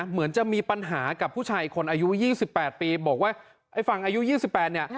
เหมือนจะมีปัญหากับผู้ชายอีกคนอายุยี่สิบแปดปีบอกว่าไอ้ฝั่งอายุยี่สิบแปดเนี่ย